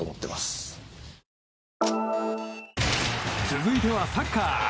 続いてはサッカー。